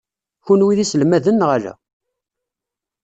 Kenwi d iselmaden neɣ ala?